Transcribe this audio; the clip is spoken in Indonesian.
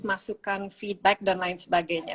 masukan feedback dan lain sebagainya